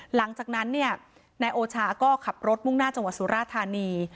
หลังจากนั้นเนี่ยนายโอชาก็ขับรถมุ่งหน้าจังหวัดสุราธานี